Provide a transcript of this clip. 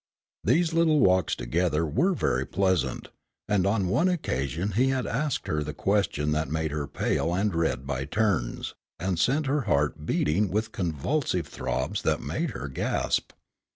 These little walks together were very pleasant, and on one occasion he had asked her the question that made her pale and red by turns, and sent her heart beating with convulsive throbs that made her gasp.